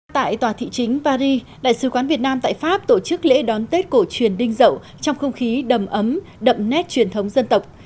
tại tòa thị chính paris đại sứ quán việt nam tại pháp tổ chức lễ đón tết cổ truyền đinh rậu trong không khí đầm ấm đậm nét truyền thống dân tộc